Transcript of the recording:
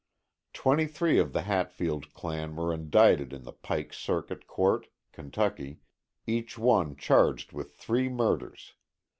Twenty three of the Hatfield clan were indicted in the Pike Circuit Court (Kentucky), each one charged with three murders.